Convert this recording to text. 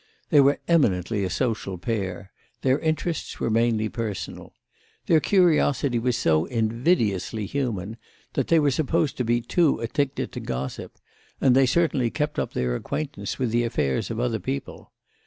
They were eminently a social pair; their interests were mainly personal. Their curiosity was so invidiously human that they were supposed to be too addicted to gossip, and they certainly kept up their acquaintance with the affairs of other people.